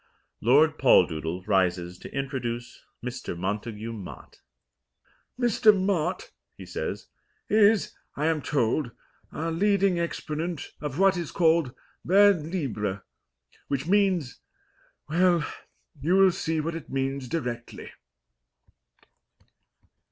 Lord Poldoodle rises to introduce Mr. Montagu Mott. "Mr. Mott," he says, "is, I am told, our leading exponent of what is called vers libre, which means well, you will see what it means directly."